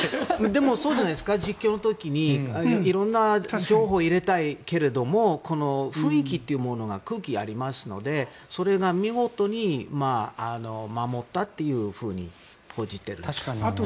でもそうじゃないですか実況の時に色んな情報を入れたいけど雰囲気というものが空気がありますのでそれが見事に守ったというふうに報じてる。